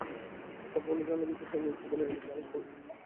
সাফল্যের জন্য ভীত হয়ে শুধু নিরাপদ পথের মানুষ হওয়ার পুরুষতো আমি নই।